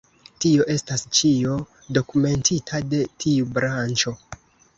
Tio estas ĉio dokumentita de tiu branĉo.